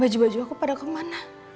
baju baju aku pada kemana